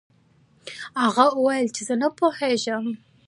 هغه وویل چې زه نه پوهیږم.